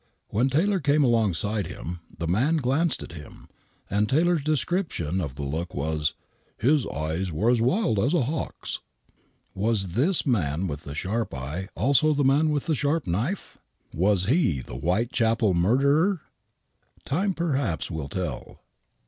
When Taylor came alongside of him, the man glanced at him, and Taylor's description of the look was, " His eyes were as wild as a hawk's." Was this man with the sharp eye also the man with the sharp knife ? Was he the Whitechapel murderer ? Time, perhaps, will tell.